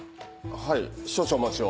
はい少々お待ちを。